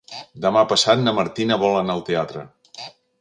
Demà passat na Martina vol anar al teatre.